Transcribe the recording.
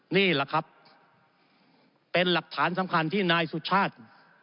นี่แหละครับเป็นหลักฐานสำคัญที่นายสุชาติ